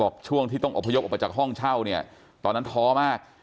ช่วงที่ต้องอบพยพออกมาจากห้องเช่าเนี่ยตอนนั้นท้อมาก